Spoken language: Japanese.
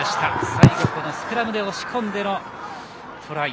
最後はスクラムで押し込んでのトライ。